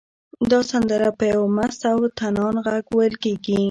دا سندره په یو مست او طنان غږ ویل کېږي.